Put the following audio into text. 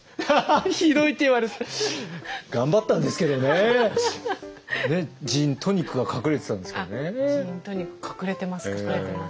あっ「ジントニック」隠れてます隠れてます。